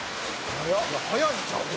「速いんちゃう？」